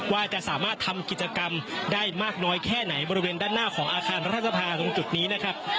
ว่าจะสามารถทำกิจกรรมได้มากน้อยแค่ไหนบริเวณด้านหน้าของอาคารรัฐสภาตรงจุดนี้นะครับ